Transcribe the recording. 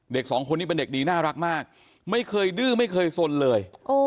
สองคนนี้เป็นเด็กดีน่ารักมากไม่เคยดื้อไม่เคยสนเลย